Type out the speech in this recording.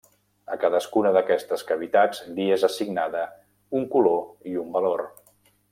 A cadascuna d’aquestes cavitats li és assignada un color i un valor.